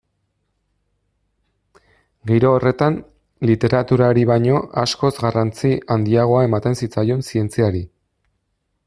Giro horretan, literaturari baino askoz garrantzi handiagoa ematen zitzaion zientziari.